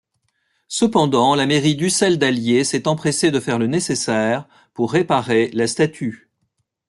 Cependant, la mairie d'Ussel-d'Allier s'est empressée de faire le nécessaire pour réparer la statue.